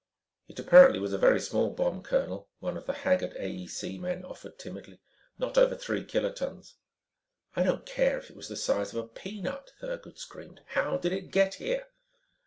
"It apparently was a very small bomb, colonel," one of the haggard AEC men offered timidly. "Not over three kilotons." "I don't care if it was the size of a peanut," Thurgood screamed. "How did it get here?"